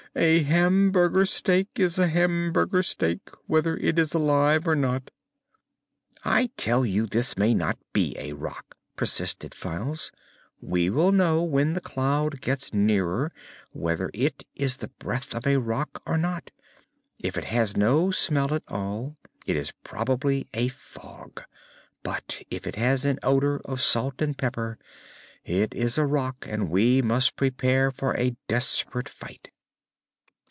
"A hamburger steak is a hamburger steak, whether it is alive or not!" "I tell you, this may not be a Rak," persisted Files. "We will know, when the cloud gets nearer, whether it is the breath of a Rak or not. If it has no smell at all, it is probably a fog; but if it has an odor of salt and pepper, it is a Rak and we must prepare for a desperate fight."